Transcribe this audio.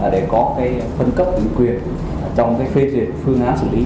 để có cái phân cấp tự quyền trong cái phê duyệt phương án xử lý